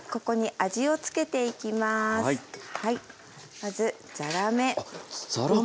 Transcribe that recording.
まずざらめ。